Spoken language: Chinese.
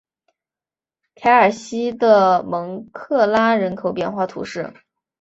凯尔西的蒙克拉人口变化图示